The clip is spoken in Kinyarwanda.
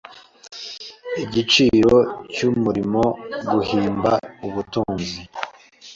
igiciro cyumurimoGuhimba ubutunzi